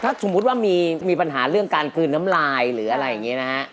ถ้าสมมุติว่ามีปัญหาเรื่องการกลืนน้ำลายหรืออะไรอย่างนี้นะฮะ